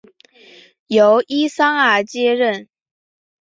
由伊桑阿接任。